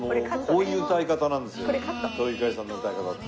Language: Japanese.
こういう歌い方なんですよ伊東ゆかりさんの歌い方って。